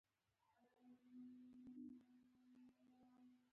زما په کور کې څلور کوټې دي يو پخلنځی دی